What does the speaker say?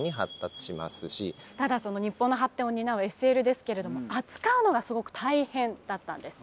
ただその日本の発展を担うＳＬですけれども扱うのがすごく大変だったんです。